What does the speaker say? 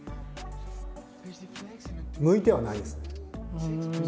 向いてはないですね。